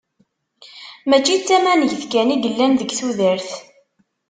Mačči d tamanegt kan i yellan deg tudert.